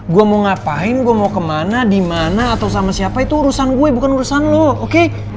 gue mau ngapain gue mau kemana dimana atau sama siapa itu urusan gue bukan urusan lo oke